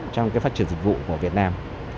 trong cái phát triển dịch vụ của việt nam